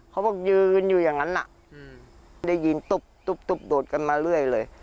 เขาบอกยืนอยู่อย่างนั้นได้ยินตุ๊บโดดกันมาเรื่อยเลย